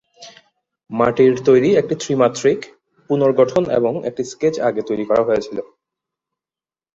মাটির তৈরি একটি ত্রিমাত্রিক পুনর্গঠন এবং একটি স্কেচ আগে তৈরি করা হয়েছিল।